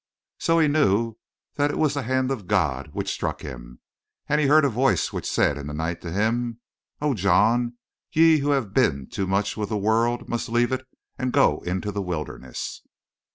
"So he knew that it was the hand of God which struck him, and he heard a voice which said in the night to him: 'O John, ye who have been too much with the world must leave it and go into the wilderness.'